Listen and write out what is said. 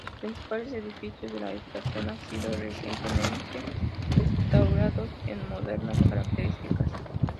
Los principales edificios de la estación han sido recientemente restaurados con modernas características.